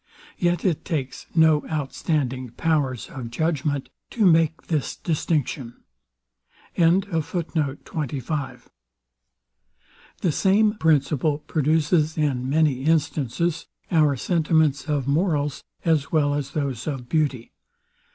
Yet it takes no outstanding powers of judgement to wake this distinction.) The same principle produces, in many instances, our sentiments of morals, as well as those of beauty.